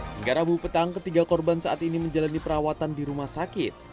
hingga rabu petang ketiga korban saat ini menjalani perawatan di rumah sakit